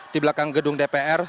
di belakang gedung dpr